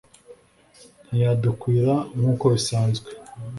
ntiyadukwira nk’uko bisanzwe